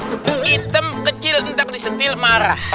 hitam kecil entak disetil marah